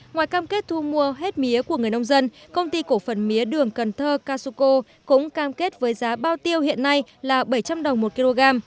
ngoài cam kết thu mua hết mía của người nông dân công ty cổ phần mía đường cần thơ casuco cũng cam kết với giá bao tiêu hiện nay là bảy trăm linh đồng một kg